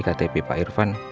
ktp pak irvan